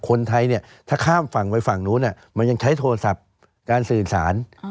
คนไทยเนี่ยถ้าข้ามฝั่งไปฝั่งนู้นมันยังใช้โทรศัพท์การสื่อสาร